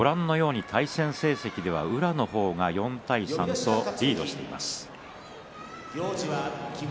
対戦成績では宇良の方が４対３とリードしています。